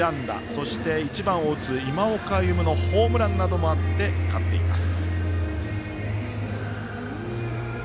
そして、１番を打つ今岡歩夢のホームランなどもあって勝っています。